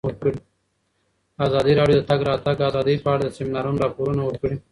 ازادي راډیو د د تګ راتګ ازادي په اړه د سیمینارونو راپورونه ورکړي.